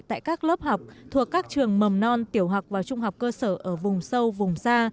tại các lớp học thuộc các trường mầm non tiểu học và trung học cơ sở ở vùng sâu vùng xa